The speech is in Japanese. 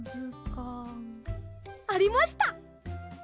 ありました！